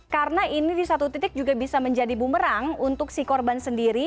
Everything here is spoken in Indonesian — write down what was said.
karena ini di satu titik juga bisa menjadi bumerang untuk si korban sendiri